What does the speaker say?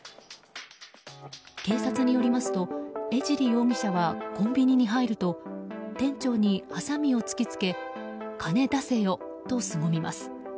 警察によりますと江尻容疑者はコンビニに入ると店長に、はさみを突き付け金出せよとすごみます。